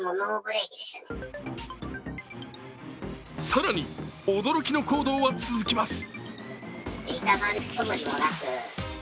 更に、驚きの行動は続きます。